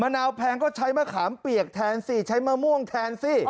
นาวแพงก็ใช้มะขามเปียกแทนสิใช้มะม่วงแทนสิ